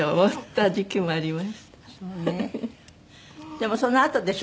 でもそのあとでしょ？